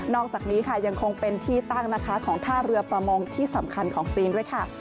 อกจากนี้ค่ะยังคงเป็นที่ตั้งนะคะของท่าเรือประมงที่สำคัญของจีนด้วยค่ะ